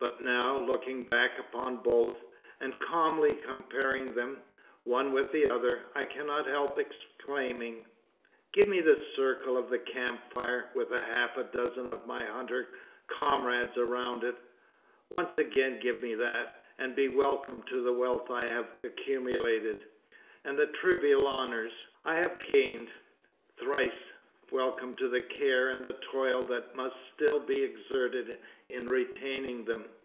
But now, looking back upon both, and calmly comparing them, one with the other, I cannot help exclaiming: "Give me the circle of the camp fire, with half a dozen of my hunter comrades around it once again give me that, and be welcome to the wealth I have accumulated, and the trivial honours I have gained thrice welcome to the care and the toil that must still be exerted in retaining them."